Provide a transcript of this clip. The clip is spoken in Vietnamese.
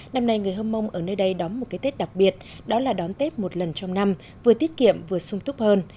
năm nay người hâm mông ở nơi đây đóng một cái tết đặc biệt đó là đón tết một lần trong năm vừa tiết kiệm vừa sung túc hơn